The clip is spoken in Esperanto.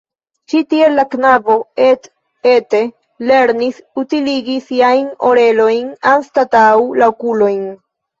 Ĉi tiel la knabo et-ete lernis utiligi siajn orelojn anstataŭ la okulojn.